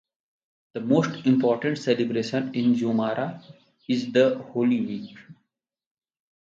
The most important celebration in Zamora is the Holy Week.